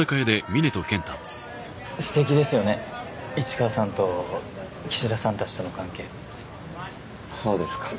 すてきですよね市川さんと岸田さんたちとの関係そうですか？